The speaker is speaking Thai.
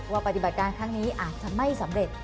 ปฏิบัติการครั้งนี้อาจจะไม่สำเร็จ